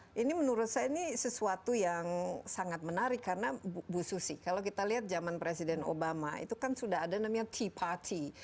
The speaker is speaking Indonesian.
nah ini menurut saya ini sesuatu yang sangat menarik karena bu susi kalau kita lihat zaman presiden obama itu kan sudah ada namanya t party